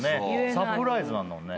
サプライズなんだもんね。